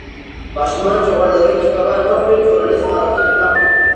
ماشومان چې غوړ لرونکي کبان نه خوري، ټولنیز مهارتونه کم وي.